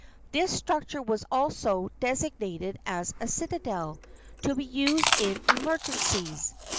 This structure was also designed as a citadel, to be used in emergencies.